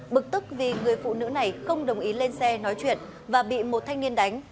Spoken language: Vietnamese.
bực tức vì người phụ nữ này không đồng ý lên xe nói chuyện và bị một thanh niên đánh